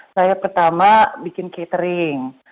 saya pertama bikin catering